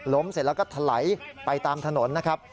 เสร็จแล้วก็ถลายไปตามถนนนะครับ